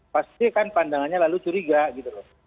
pasti kan pandangannya lalu curiga gitu loh